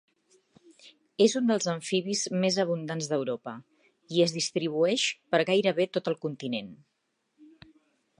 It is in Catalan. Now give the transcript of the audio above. És un dels amfibis més abundants d'Europa i es distribueix per gairebé tot el continent.